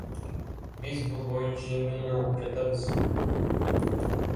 Биз бул боюнча эми эле угуп жатабыз.